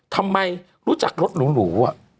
ทำไมรู้จักรถหรู